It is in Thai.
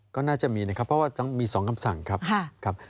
ก็น่าจะมีนะครับเพราะว่าต้องมี๒คำสั่งครับ